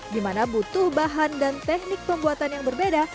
dimana butuh bahan dan teknik pembuatan yang berbeda